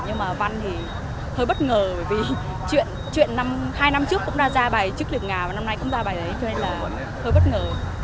nhưng mà văn thì hơi bất ngờ vì chuyện hai năm trước cũng ra bài chức liệp ngào và năm nay cũng ra bài đấy cho nên là hơi bất ngờ